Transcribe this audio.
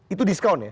itu diskaun ya